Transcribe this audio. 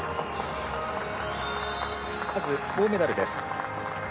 まず銅メダルです。